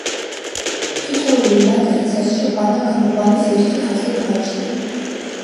თითოეულ მატრიცას შეყვანა გამოყვანის ერთი ხაზი გააჩნია.